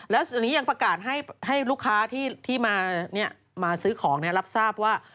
แล้วตอนนี้ยังประกาศให้ลูกค้าที่มาซื้อของรับทราบว่า